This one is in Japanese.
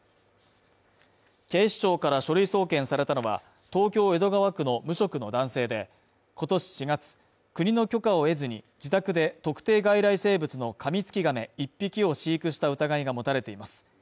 警視庁から書類送検されたのは、東京・江戸川区の無職の男性で、今年４月、国の許可を得ずに、自宅で特定外来生物のカミツキガメ１匹を飼育した疑いが持たれています。